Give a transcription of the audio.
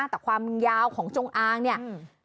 แต่ความยาวของจงอางเนี่ย